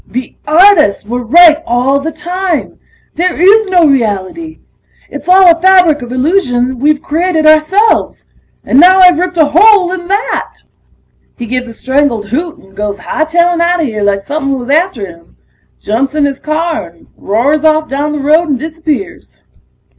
"The artists were right all the time ... there is no reality! It's all a fabric of illusion we've created ourselves! And now I've ripped a hole in that!" He gives a strangled hoot and goes hightailin' outta here like somepin' was after him. Jumps in his car and roars off down the road and disappears.